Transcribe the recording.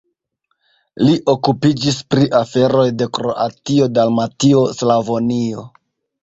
Li okupiĝis pri aferoj de Kroatio-Dalmatio-Slavonio.